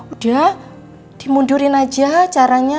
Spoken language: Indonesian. udah dimundurin aja caranya